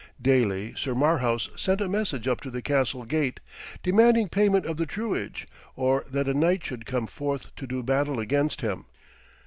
Daily Sir Marhaus sent a message up to the castle gate, demanding payment of the truage, or that a knight should come forth to do battle against him.